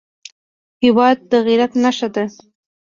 هېواد د غیرت نښه ده.